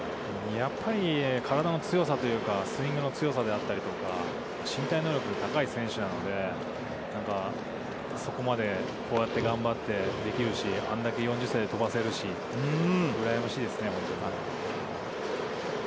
やっぱり体の強さというか、スイングの強さであったりとか、身体能力の高い選手なので、そこまでこうやって頑張ってできるし、あんだけ４０歳で飛ばせるし、うらやましいです。